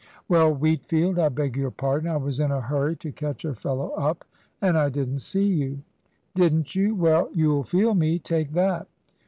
"Well, Wheatfield, I beg your pardon; I was in a hurry to catch a fellow up and I didn't see you." "Didn't you? Well, you'll feel me. Take that."